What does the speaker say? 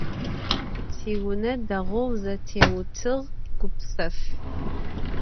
Tiune değou zetêutığ, gupsef.